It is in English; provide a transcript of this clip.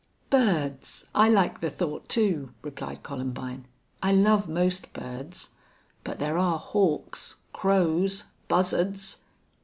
"Birds! I like the thought, too," replied Columbine. "I love most birds. But there are hawks, crows, buzzards!"